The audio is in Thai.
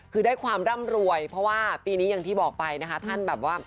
คือได้ความร่ำรวยเพราะว่าปีนี้อย่างที่บอกไปนะคะท่านแบบว่า